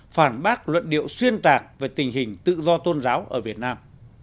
phản bác luận điệu xuyên tạc về tình hình tự do tôn giáo ở việt nam